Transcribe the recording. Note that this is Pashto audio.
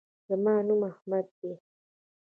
زما نوم احمد دی